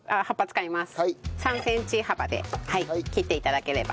３センチ幅で切って頂ければ。